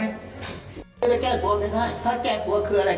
แก้กลัวไม่ได้ถ้าแก้กลัวคืออะไร